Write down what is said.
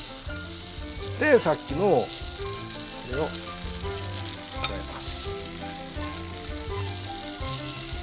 でさっきのこれを加えます。